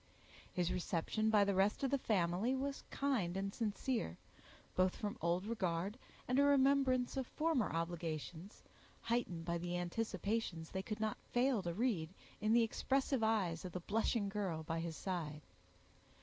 His reception by the rest of the family was kind and sincere, both from old regard, and a remembrance of former obligations, heightened by the anticipations they could not fail to read in the expressive eyes of the blushing girl by his side.